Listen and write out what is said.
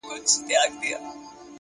پرمختګ له کوچنیو ګامونو جوړېږي.!